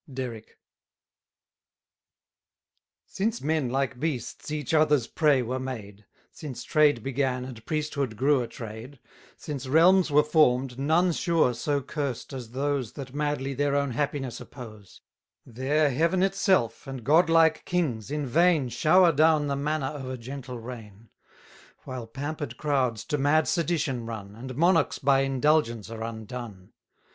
DERRICK. Since men like beasts each other's prey were made, Since trade began, and priesthood grew a trade, Since realms were form'd, none sure so cursed as those That madly their own happiness oppose; There Heaven itself and god like kings, in vain Shower down the manna of a gentle reign; While pamper'd crowds to mad sedition run, And monarchs by indulgence are undone.